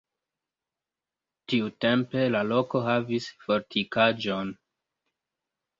Tiutempe la loko havis fortikaĵon.